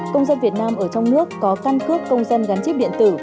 công dân việt nam ở trong nước có căn cước công dân gắn chip điện tử